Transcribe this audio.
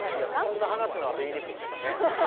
こんな話の後言いにくいんですけどね。